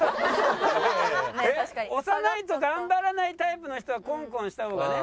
押さないと頑張らないタイプの人はコンコンした方がね。